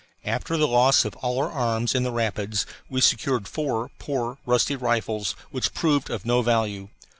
After the loss of all our arms in the rapids we secured four poor, rusty rifles which proved of no value.